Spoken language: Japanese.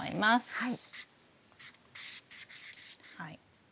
はい。